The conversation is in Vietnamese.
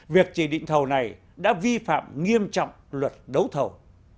việc chỉ định thầu này đã vi phạm nghiêm trọng luật đấu thầu